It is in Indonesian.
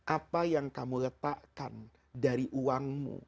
apa yang kamu letakkan dari uangmu